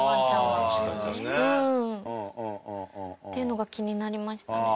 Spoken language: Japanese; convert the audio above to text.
秋元：っていうのが気になりましたね。